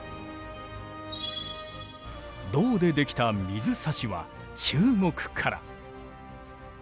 銅で出来た水差しは中国から。